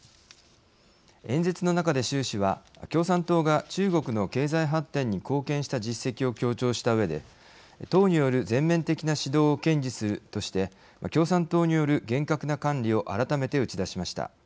演説の中で習氏は共産党が中国の経済発展に貢献した実績を強調したうえで「党による全面的な指導を堅持する」として共産党による厳格な管理を改めて打ち出しました。